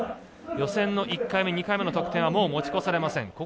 予選の１回目２回目の得点はもう持ち越されません。